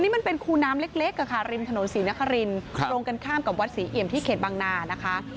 นี่มันเป็นคูน้ำเล็กค่ะริมถนนศรีนครินตรงกันข้ามกับวัดศรีเอี่ยมที่เขตบางนานะคะ